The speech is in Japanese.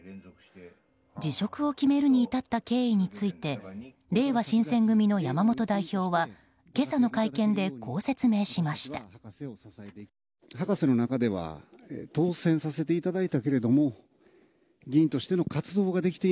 辞職を決めるに至った経緯についてれいわ新選組の山本代表は今朝の会見でこう説明しました。